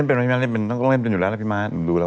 เล่นเป็นหรือไม่เล่นเป็นเล่นเป็นอยู่แล้วนะพี่ม้าผมรู้แล้ว